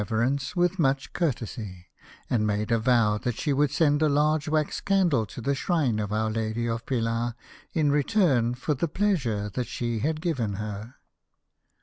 rence with much courtesy, and made a vow that she would send a large wax candle to the shrine of Our Lady of Pilar in return for the pleasure that she had given her.